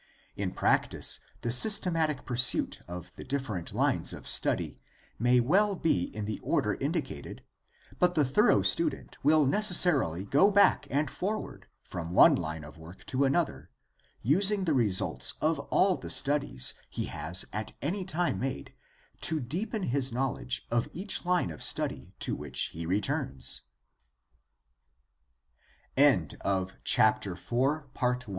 In practice, the systematic pursuit of the differ ent lines of study may well be in the order indicated, but the thorough student will necessarily go back and forward from one line of work to another, using the results of all the studies he has at any time made to deepen his knowledge of each line of st